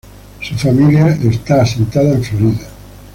Su familia está asentada en Florida.